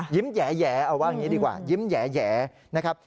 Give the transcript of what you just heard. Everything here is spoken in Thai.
แหยเอาว่าอย่างนี้ดีกว่ายิ้มแหย่นะครับ